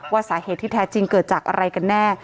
สาเหตุที่แท้จริงเกิดจากอะไรกันแน่